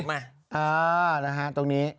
อ๋อนะฮะตรงนี้